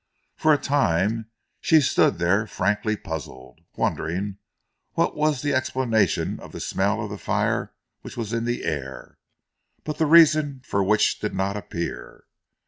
For a time she stood there frankly puzzled, wondering what was the explanation of the smell of fire which was in the air, but the reason for which did not appear.